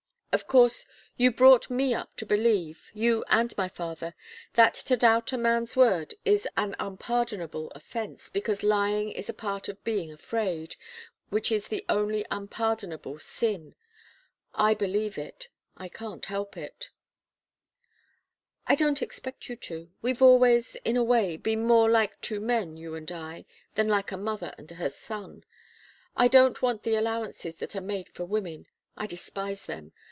Of course, you brought me up to believe you and my father that to doubt a man's word is an unpardonable offence, because lying is a part of being afraid, which is the only unpardonable sin. I believe it. I can't help it." "I don't expect you to. We've always in a way been more like two men, you and I, than like a mother and her son. I don't want the allowances that are made for women. I despise them.